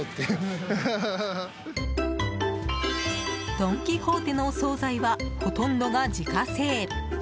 ドン・キホーテのお総菜はほとんどが自家製。